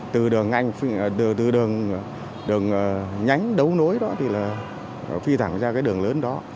từ đường nhánh đấu nối đó thì là phi thẳng ra cái đường lớn đó